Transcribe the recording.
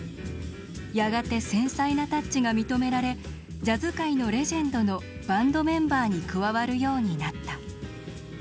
やがて繊細なタッチが認められジャズ界のレジェンドのバンドメンバーに加わるようになった。